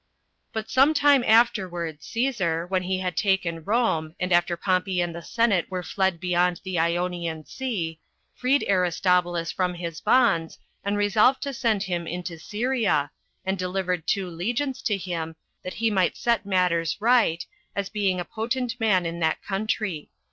4. But some time afterward Cæsar, when he had taken Rome, and after Pompey and the senate were fled beyond the Ionian Sea, freed Aristobulus from his bonds, and resolved to send him into Syria, and delivered two legions to him, that he might set matters right, as being a potent man in that country.